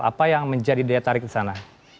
apa yang menjadi daya tarik di sana